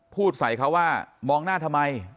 พูดใส่เขาว่ามองหน้าทำไม